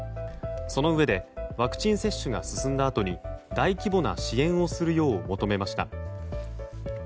そのうえでワクチン接種が進んだあとに大規模な支援をするよう求めました。